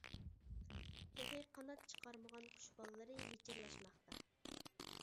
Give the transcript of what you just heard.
تېخى قانات چىقارمىغان قۇش بالىلىرى ۋىچىرلاشماقتا.